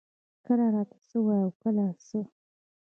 کله راته څۀ وائي او کله څۀ ـ